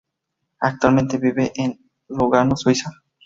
Actualmente vive en Lugano, Suiza.